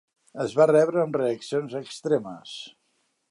Es va rebre amb reaccions extremes.